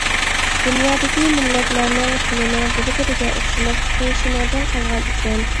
دۇنيادىكى مىللەتلەرنىڭ تىلىنىڭ بىر بىرىگە ئوخشىماسلىقى شۇنىڭدىن قالغان ئىكەن.